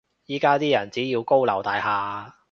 依家啲人只要高樓大廈